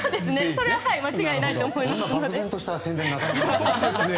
それは間違いないと思います。